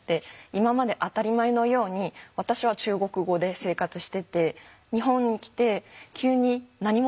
今まで当たり前のように私は中国語で生活してて日本に来て急に何もできない人になったんですよね。